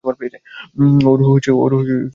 ওর খেয়াল রাখো।